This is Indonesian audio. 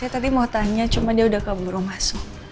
saya tadi mau tanya cuma dia udah keburu masuk